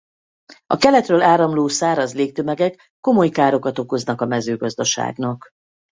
A keletről áramló száraz légtömegek komoly károkat okoznak a mezőgazdaságnak.